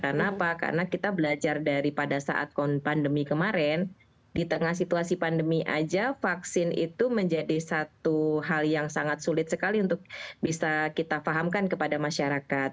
karena apa karena kita belajar dari pada saat pandemi kemarin di tengah situasi pandemi aja vaksin itu menjadi satu hal yang sangat sulit sekali untuk bisa kita fahamkan kepada masyarakat